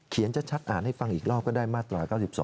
ชัดอ่านให้ฟังอีกรอบก็ได้มาตรา๙๒